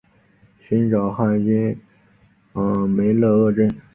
寻擢汉军梅勒额真。